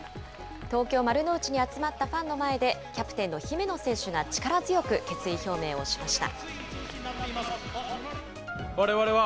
東京・丸の内に集まったファンの前で、キャプテンの姫野選手が力強く決意表明をしました。